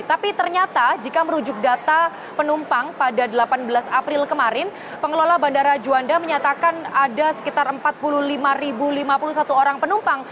tapi ternyata jika merujuk data penumpang pada delapan belas april kemarin pengelola bandara juanda menyatakan ada sekitar empat puluh lima lima puluh satu orang penumpang